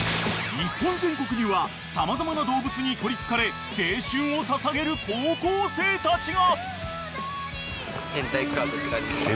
［日本全国には様々な動物に取りつかれ青春を捧げる高校生たちが！］